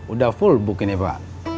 udah full book ini pak